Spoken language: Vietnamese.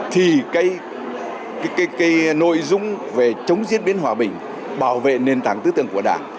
thì cái nội dung về chống diễn biến hòa bình bảo vệ nền tảng tư tưởng của đảng